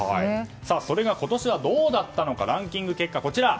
それが今年はどうだったのかランキング結果。